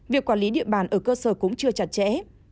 việc quản lý địa bàn ở cơ sở cũng chưa chặt chẽ